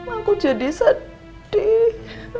aku jadi sedih